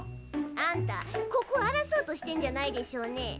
あんたここあらそうとしてんじゃないでしょうね？